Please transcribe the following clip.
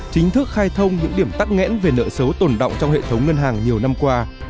chính thức khai thông những điểm tắc nghẽn về nợ xấu tồn động trong hệ thống ngân hàng nhiều năm qua